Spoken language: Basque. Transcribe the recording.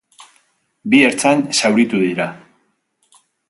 Bi ertzain zauritu dira.